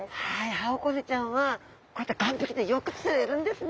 ハオコゼちゃんはこういった岸壁でよく釣れるんですね。